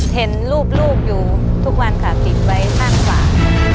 เห็นรูปลูกอยู่ทุกวันค่ะติดไว้ข้างขวา